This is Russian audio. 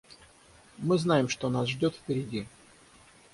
Мы знаем, что нас ждет впереди.